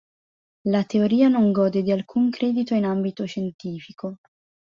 La teoria non gode di alcun credito in ambito scientifico.